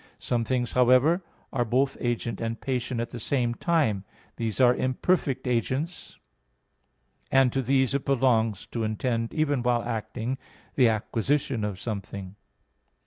Some things, however, are both agent and patient at the same time: these are imperfect agents, and to these it belongs to intend, even while acting, the acquisition of something.